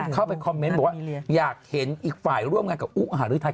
เข้าไปคอมเมนต์บอกว่าอยากเห็นอีกฝ่ายร่วมงานกับอุหารือไทย